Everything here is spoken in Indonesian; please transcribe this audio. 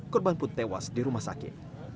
korban pun tewas di rumah sakit